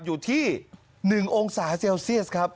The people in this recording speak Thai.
อยู่ที่๑องศาเซลเซียสครับ